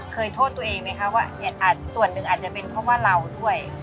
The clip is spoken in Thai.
เคยโทษตัวเองไหมคะว่าส่วนหนึ่งอาจจะเป็นเพราะว่าเราด้วย